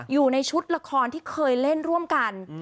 อยู่ในชุดละครที่เคยเล่นร่วมกัน